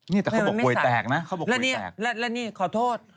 นี่แต่เขาบอกกวยแตกนะเขาบอกกวยแตกแล้วนี่ขอโทษ